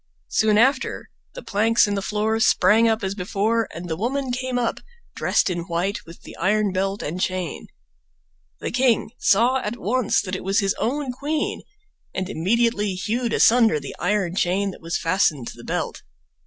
Soon after the planks in the floor sprang up as before, and the woman came up, dressed in white, with the iron belt and chain. The king saw at once that it was his own queen, and immediately hewed asunder the iron chain that was fastened to the belt.